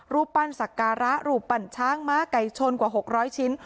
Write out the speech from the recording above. รูปปั้นสักการะรูปปั่นช้างม้าไก่ชนกว่า๖๐๐ชิ้น